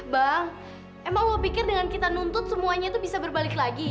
bang emang allah pikir dengan kita nuntut semuanya itu bisa berbalik lagi